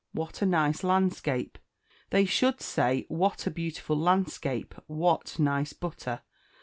"What a nice landscape!" They should say, "What a beautiful landscape!" "What nice butter!"